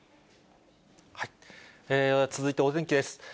続いてお天気です。